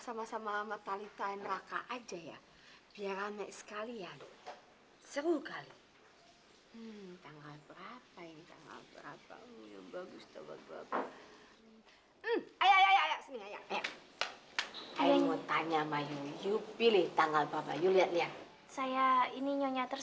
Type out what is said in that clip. sampai jumpa di video selanjutnya